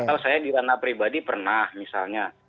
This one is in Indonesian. kalau saya di ranah pribadi pernah misalnya